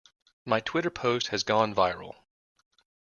My Twitter post has gone viral.